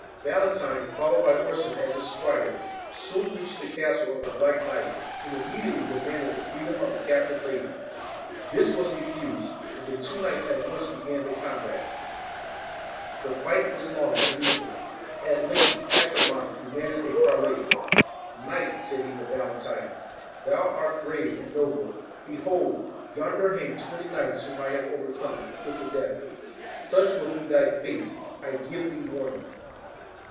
Valentine, followed by Orson as his squire, soon reached the castle of the black knight, and imme diately demanded the freedom of the captive lady. This was refused, and the two knights at once began the combat. The fight was long and equal. At length Atramont demanded a parley :' Knight,' said he to Valentine, 'thou art brave and noble; behold, yonder hang twenty knights whom I have overcome and put to death : such will be thy fate ; I give thee warning.'